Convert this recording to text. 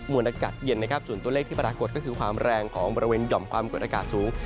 วนอากาศเย็นนะครับส่วนตัวเลขที่ปรากฏก็คือความแรงของบริเวณหย่อมความกดอากาศสูง